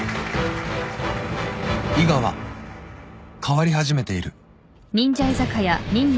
［伊賀は変わり始めている］